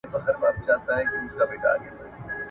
تاسي ولي د جنګونو اور ته لمن وهئ؟